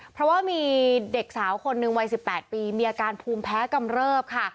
เพราะว่ามีเด็กสาวคนหนึ่งวัย๑๘ปีมีอาการภูมิแพ้กำเริบค่ะ